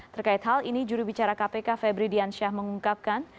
terkait hal ini juri bicara kpk febri diansyah mengungkapkan